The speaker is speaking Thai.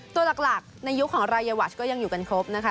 ตัวหลักในยุคของรายวัชก็ยังอยู่กันครบนะคะ